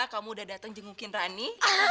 kamu udah datang jengukin rani